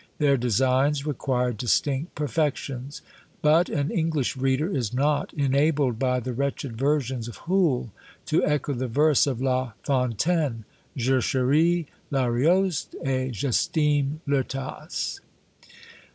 Their designs required distinct perfections. But an English reader is not enabled by the wretched versions of Hoole to echo the verse of La Fontaine, "JE CHERIS L'Arioste et J'ESTIME le Tasse."